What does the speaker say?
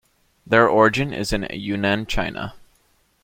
Their origin is in Yunnan, China.